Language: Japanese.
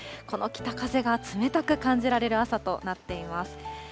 この北風が冷たく感じられる朝となっています。